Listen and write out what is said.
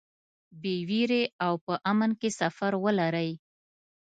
بې وېرې او په امن کې سفر ولرئ.